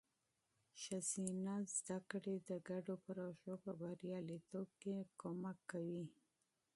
ښځینه تعلیم د ګډو پروژو په بریالیتوب کې مرسته کوي.